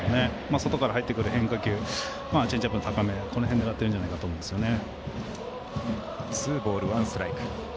外から入ってくる変化球チェンジアップの高めこの辺、狙ってるんじゃないかと思いますね。